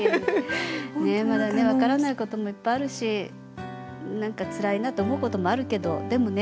まだ分からないこともいっぱいあるし何かつらいなと思うこともあるけどでもね。